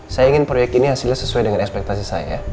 saya ingin proyek ini hasilnya sesuai dengan ekspektasi saya